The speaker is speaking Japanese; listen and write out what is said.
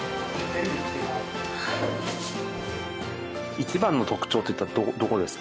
一番の特徴っていったらどこですか？